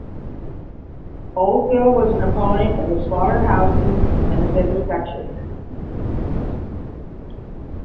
Oldfield was an opponent of slaughterhouses and vivisection.